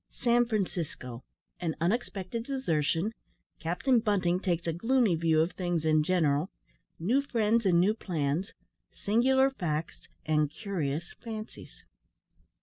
SAN FRANCISCO AN UNEXPECTED DESERTION CAPTAIN BUNTING TAKES A GLOOMY VIEW OF THINGS IN GENERAL NEW FRIENDS AND NEW PLANS SINGULAR FACTS AND CURIOUS FANCIES.